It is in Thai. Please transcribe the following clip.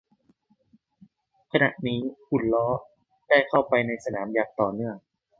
ขณะนี้หุ่นล้อได้เข้าไปในสนามอย่างต่อเนื่อง